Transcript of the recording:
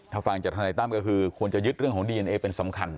ถ้าฟังจากทนายตั้มก็คือควรจะยึดเรื่องของดีเอนเอเป็นสำคัญ